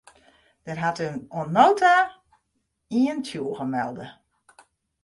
Der hat him oant no ta ien tsjûge melden.